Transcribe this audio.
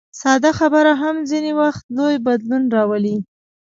ساده خبره هم ځینې وخت لوی بدلون راولي.